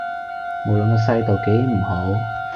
無論個世道幾唔好